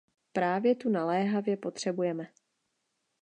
Právě tu naléhavě potřebujeme.